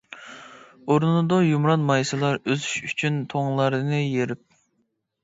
ئۇرۇنىدۇ يۇمران مايسىلار، ئۆسۈش ئۈچۈن توڭلارنى يېرىپ.